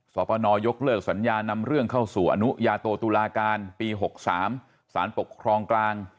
ปนยกเลิกสัญญานำเรื่องเข้าสู่อนุญาโตตุลาการปี๖๓สารปกครองกลาง